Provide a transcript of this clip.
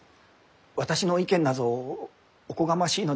私の意見なぞおこがましいのですが。